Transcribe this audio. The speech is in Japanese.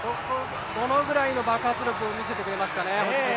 どのぐらいの爆発力を見せてくれますかね。